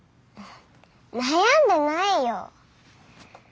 悩んでないよ。